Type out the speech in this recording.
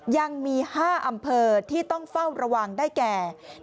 ยังมี๕อำเภอที่ต้องเฝ้าระวังได้แก่